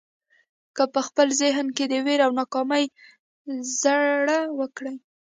که په خپل ذهن کې د وېرې او ناکامۍ زړي وکرئ.